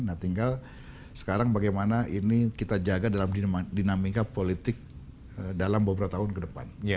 nah tinggal sekarang bagaimana ini kita jaga dalam dinamika politik dalam beberapa tahun ke depan